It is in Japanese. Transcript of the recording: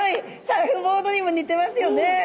サーフボードにも似てますよね。